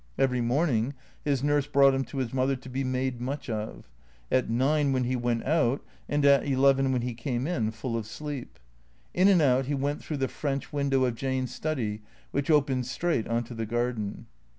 Every morning his nurse brought him to his mother to be made much of ; at nine when he went out, and at eleven when he came in, full of sleep. In and out he went through the French win dow of Jane's study, which opened straight on to the garden.